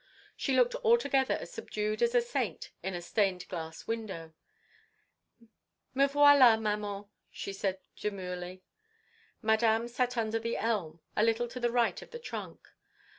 She looked altogether as subdued as a Saint in a stained glass window. "Me voilà, Maman," she said, demurely. Madame sat under the elm, a little to the right of the trunk.